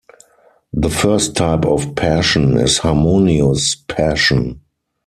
The first type of passion is harmonious passion.